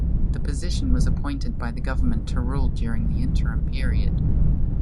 The position was appointed by the government to rule during the interim period.